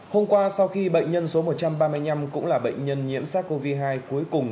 hôm qua sau khi bệnh nhân số một trăm ba mươi năm cũng là bệnh nhân nhiễm sars cov hai cuối cùng